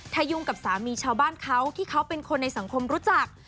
ถ้ายุ่งกับสามีชาวบ้านเขาที่เขาเป็นคนในสังคมรู้จัก